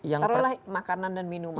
taruhlah makanan dan minuman